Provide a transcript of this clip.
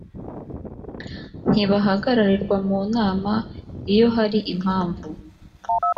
ntibahagararirwa mu nama iyo hari impamvu